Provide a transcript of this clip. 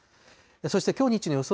そしてきょう日中の予想